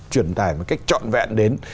truyền tài một cách trọn vẹn đến